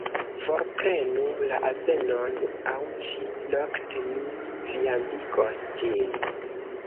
"Forprenu la azenon, aŭ ĉi-nokte mi viandigos ĝin."